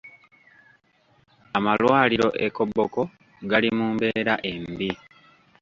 Amalwaliro e Koboko gali mu mbeera embi.